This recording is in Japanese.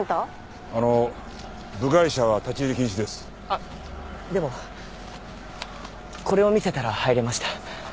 あっでもこれを見せたら入れました。